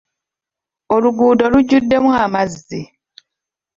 Oluguudo lujjuddemu amazzi.